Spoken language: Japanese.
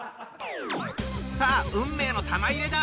さあ運命の玉入れだ！